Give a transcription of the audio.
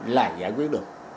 lại giải quyết được